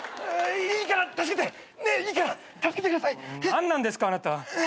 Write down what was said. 何なんですかあなた。